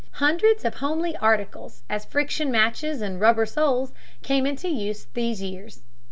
Hundreds of homely articles, as friction matches and rubber shoes, came into use in these years.